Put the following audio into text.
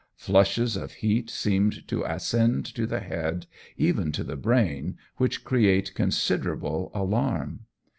Flushes of heat seem to ascend, to the head, even to the brain, which create considerable alarm.